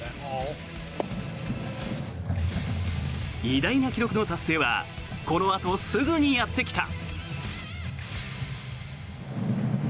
偉大な記録の達成はこのあとすぐにやってきた。